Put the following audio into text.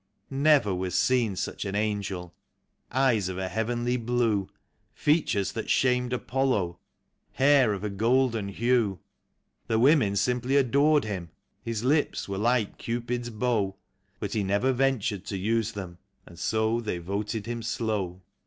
71 Never was seen such an angel : eyes of a heavenly blue, Features that shamed Apollo, hair of a golden hue; The women simply adored him, his lips were like Cupid's bow; But he never ventured to use them — and so they voted him slow.